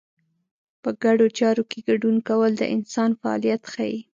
په ګډو چارو کې ګډون کول د انسان فعالیت ښيي.